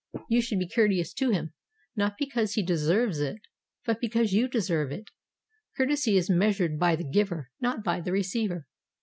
you should be courteous to him, not because he deserves it, but because you deserve it. Courtesy is measured by the giver, not by the receiver.